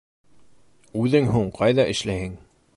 Үҙең һуң ҡайҙа эшләйһең?